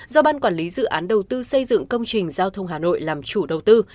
do ban quản lý dự án đầu tư xây dựng công trình giao thông hà nội làm chủ đầu tư